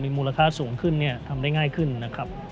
มูลค่าสูงขึ้นเนี่ยทำได้ง่ายขึ้นนะครับ